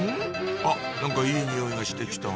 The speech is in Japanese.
あっ何かいい匂いがしてきた